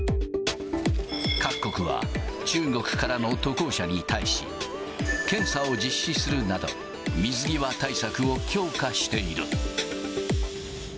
各国は中国からの渡航者に対し、検査を実施するなど、水際対策を強化している。